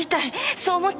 そう思って。